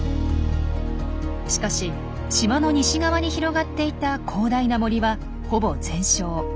しかし島の西側に広がっていた広大な森はほぼ全焼。